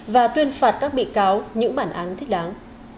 và tuyên phạt các bị cáo những bản án thích đáng